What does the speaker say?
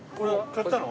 買ったの。